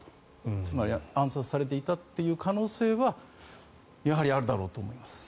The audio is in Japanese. つまり暗殺されていたという可能性はやはりあるだろうと思います。